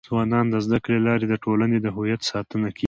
ځوانان د زده کړي له لارې د ټولنې د هویت ساتنه کيږي.